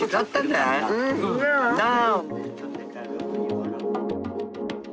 なあ。